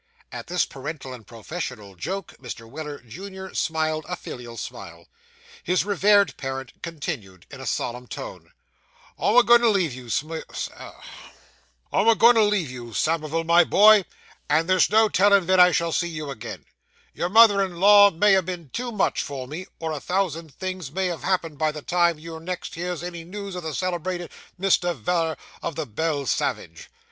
At this parental and professional joke, Mr. Weller, junior, smiled a filial smile. His revered parent continued in a solemn tone 'I'm a goin' to leave you, Samivel, my boy, and there's no telling ven I shall see you again. Your mother in law may ha' been too much for me, or a thousand things may have happened by the time you next hears any news o' the celebrated Mr. Veller o' the Bell Savage.